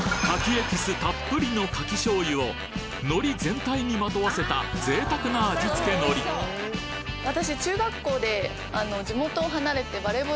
エキスたっぷりの「かき醤油」をのり全体にまとわせた贅沢な味付のり私。